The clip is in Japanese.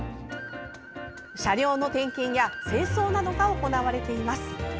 車両の点検や清掃などが行われています。